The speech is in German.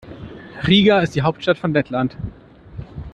Riga ist die Hauptstadt von Lettland.